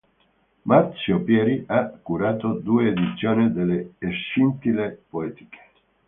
Marzio Pieri ha curato due edizioni delle "Scintille poetiche".